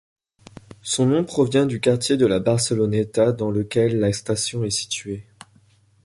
Son nom provient du quartier de La Barceloneta, dans lequel la station est située.